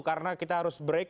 karena kita harus break